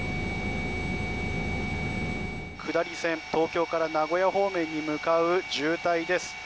下り線、東京から名古屋方面に向かう渋滞です。